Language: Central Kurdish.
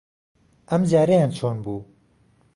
ئەمجارەیان چۆن بوو؟